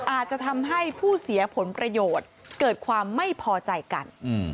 อาจจะทำให้ผู้เสียผลประโยชน์เกิดความไม่พอใจกัน